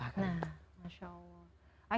nah masya allah